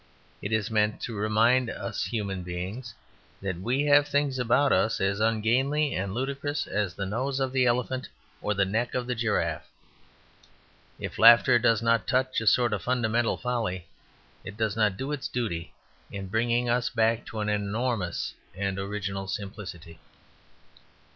It is meant to remind us human beings that we have things about us as ungainly and ludicrous as the nose of the elephant or the neck of the giraffe. If laughter does not touch a sort of fundamental folly, it does not do its duty in bringing us back to an enormous and original simplicity.